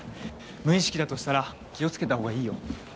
無意識だとしたら気を付けた方がいいよ。